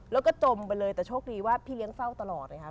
แล้วก็จมไปเลยแต่โชคดีว่าพี่เลี้ยงเฝ้าตลอดเลยค่ะ